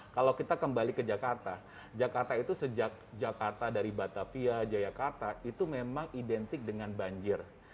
kalau kita kembali ke jakarta jakarta itu sejak jakarta dari batavia jayakarta itu memang identik dengan banjir